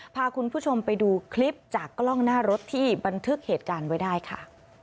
พาคุณผู้ชมไปดูคลิปจากกล้องหน้ารถที่บันทึกเหตุการณ์ไว้ได้ค่ะ